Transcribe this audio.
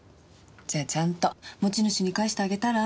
じゃあちゃんと持ち主に返してあげたら？